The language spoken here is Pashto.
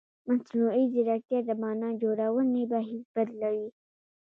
مصنوعي ځیرکتیا د معنا جوړونې بهیر بدلوي.